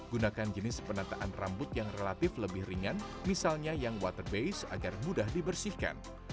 gunakan jenis penataan rambut yang relatif lebih ringan misalnya yang water base agar mudah dibersihkan